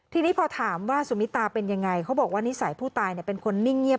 ทีนี้พอถามว่าสุมิตาเป็นยังไงเขาบอกว่านิสัยผู้ตายเป็นคนนิ่งเงียบ